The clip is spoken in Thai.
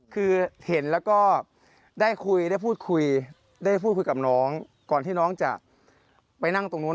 คือเห็นแล้วก็ได้คุยได้พูดคุยได้พูดคุยกับน้องก่อนที่น้องจะไปนั่งตรงนู้น